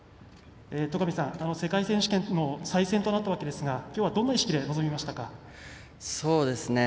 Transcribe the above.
戸上さん、世界選手権の再戦となったわけですがきょうはどんな意識で臨みましたか？